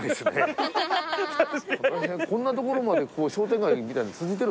こんな所まで商店街みたいの続いてるんですね。